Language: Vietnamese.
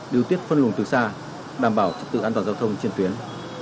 điều tiết phân lùng từ xa đảm bảo trực tự an toàn giao thông trên tuyến